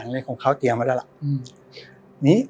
ยังมีอะไรของเขาเตรียมแล้วล่ะอืม